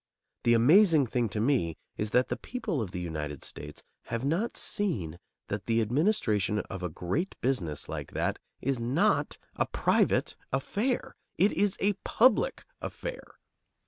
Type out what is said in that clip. The amazing thing to me is that the people of the United States have not seen that the administration of a great business like that is not a private affair; it is a public affair.